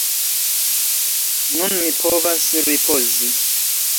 Nun mi povas ripozi.